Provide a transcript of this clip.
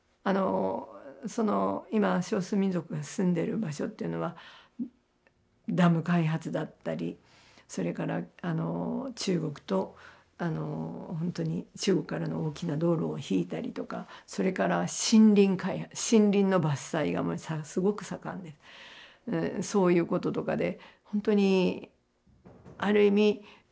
その今少数民族が住んでいる場所っていうのはダム開発だったりそれから中国と本当に中国からの大きな道路を引いたりとかそれから森林開発森林の伐採がすごく盛んでそういうこととかで本当にある意味